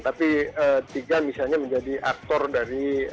tapi tiga misalnya menjadi aktor dari